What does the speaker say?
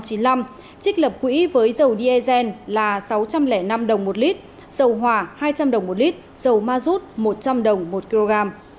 trích lập quỹ với dầu diesel là sáu trăm linh năm đồng một lít dầu hỏa hai trăm linh đồng một lít dầu ma rút một trăm linh đồng một kg